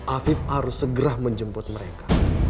afif harus segera menjemput mereka